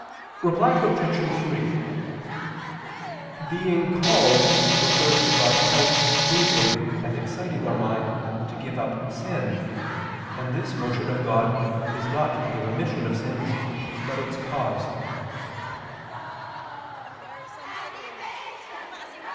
Reply Obj. 3: Being called refers to God's help moving and exciting our mind to give up sin, and this motion of God is not the remission of sins, but its cause.